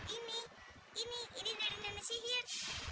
ini ini ini dari nenek sihir